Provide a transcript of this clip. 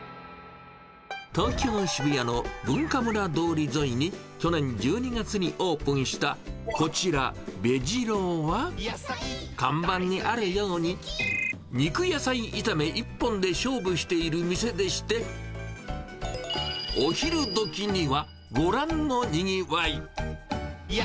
東京・渋谷のＢｕｎｋａｍｕｒａ通り沿いに去年１２月にオープンした、こちら、ベジ郎は、看板にあるように、肉野菜炒め一本で勝負している店でして、お昼どきには、ご覧のにぎわい。